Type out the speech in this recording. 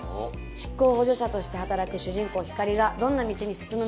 執行補助者として働く主人公ひかりがどんな道に進むのか。